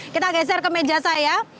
kita geser ke meja saya